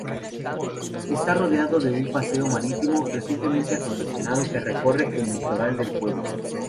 Está rodeado de un paseo marítimo, recientemente acondicionado, que recorre el litoral del pueblo.